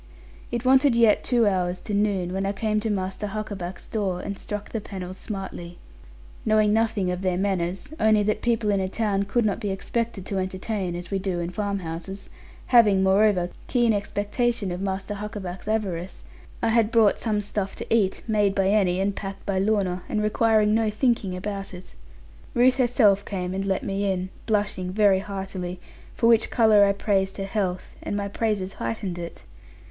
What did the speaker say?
It wanted yet two hours to noon, when I came to Master Huckaback's door, and struck the panels smartly. Knowing nothing of their manners, only that people in a town could not be expected to entertain (as we do in farm houses), having, moreover, keen expectation of Master Huckaback's avarice, I had brought some stuff to eat, made by Annie, and packed by Lorna, and requiring no thinking about it. Ruth herself came and let me in, blushing very heartily; for which colour I praised her health, and my praises heightened it.